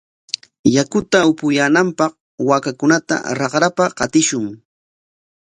Yakuta apuyaananpaq waakakunata raqrapa qatishun.